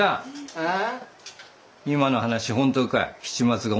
ああ。